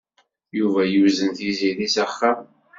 Yuba yuzen Tiziri s axxam.